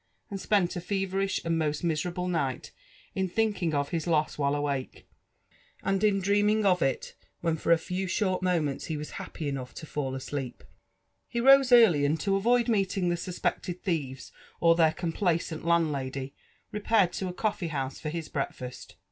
and spent a feverish and most miserable night in thinking of his lose white awake, and in dreaming of it when for a few short moments he was happy enough to fait asleep. Ho rose early, and, to avoid meeting the sospocled thieves or their complaisant landlady, repaired to a coffee house for his breakfast.